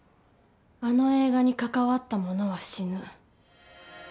あの映画に関わった者は死ぬ。